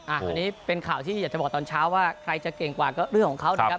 อันนี้เป็นข่าวที่อยากจะบอกตอนเช้าว่าใครจะเก่งกว่าก็เรื่องของเขานะครับ